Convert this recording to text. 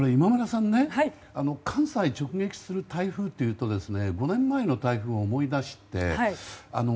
関西を直撃する台風というと５年前の台風を思い出します。